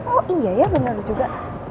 oh iya ya benar juga